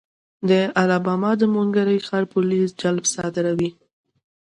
د الاباما د مونګومري ښار پولیس جلب صادروي.